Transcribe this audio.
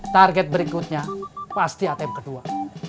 target berikutnya pasti atm kedua